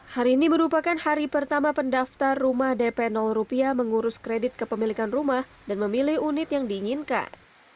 hari ini merupakan hari pertama pendaftar rumah dp rupiah mengurus kredit kepemilikan rumah dan memilih unit yang diinginkan